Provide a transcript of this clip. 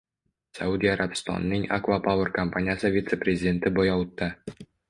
Saudiya Arabistonining “Acwa Power ” kompaniyasi vitse-prezidenti Boyovutda